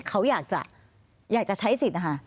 เขาอยากจะใช้สิทธิ์นะคะ